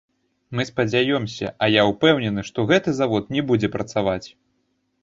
Мы спадзяёмся, а я ўпэўнены, што гэты завод не будзе працаваць.